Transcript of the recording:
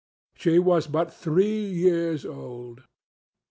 She was but three years old.